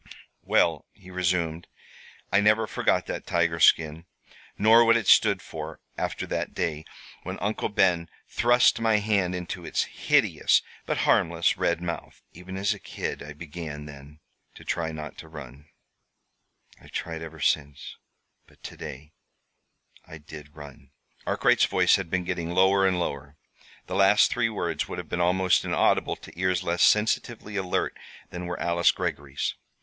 "Well," he resumed, "I never forgot that tiger skin, nor what it stood for, after that day when Uncle Ben thrust my hand into its hideous, but harmless, red mouth. Even as a kid I began, then, to try not to run. I've tried ever since But to day I did run." Arkwright's voice had been getting lower and lower. The last three words would have been almost inaudible to ears less sensitively alert than were Alice Greggory's.